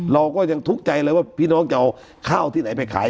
เราก็ยังทุกข์ใจเลยว่าพี่น้องจะเอาข้าวที่ไหนไปขาย